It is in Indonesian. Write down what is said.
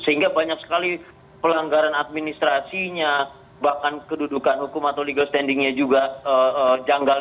sehingga banyak sekali pelanggaran administrasinya bahkan kedudukan hukum atau legal standingnya juga janggal